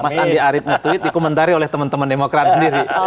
mas andi arief nge tweet dikomentari oleh teman teman demokrat sendiri